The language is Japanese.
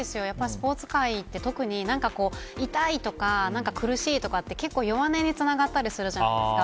スポーツ界って特に痛いとか苦しいとかって結構、弱音につながったりするじゃないですか。